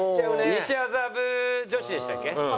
西麻布女子でしたっけ？